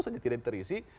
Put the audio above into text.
senjata yang terisi